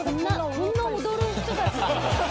こんな踊る人たち。